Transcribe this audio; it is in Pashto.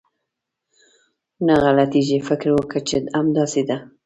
نه غلطېږي، فکر وکه چې همداسې ده.